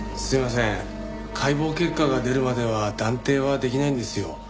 すいません解剖結果が出るまでは断定はできないんですよ。